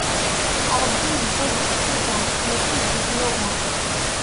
Ṛebbi idda d bu tyuga, mačči d bu tnuga.